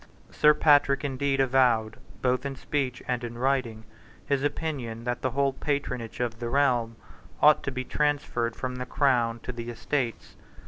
Sir Patrick indeed avowed, both in speech and in writing, his opinion that the whole patronage of the realm ought to be transferred from the Crown to the Estates.